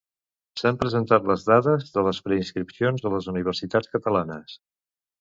S'han presentat les dades de les preinscripcions a les universitats catalanes.